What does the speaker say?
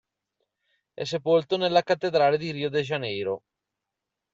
È sepolto nella cattedrale di Rio de Janeiro.